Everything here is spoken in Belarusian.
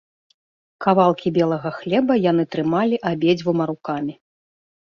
Кавалкі белага хлеба яны трымалі абедзвюма рукамі.